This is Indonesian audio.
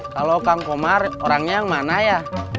kalau kang komar orangnya yang mana ya